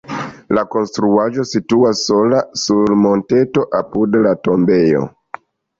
La konstruaĵo situas sola sur monteto apud la tombejo.